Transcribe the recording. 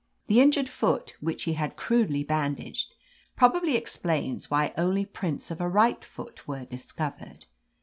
The injured foot, which he had crudely bandaged, probably explains why only prints of a right foot were discovered.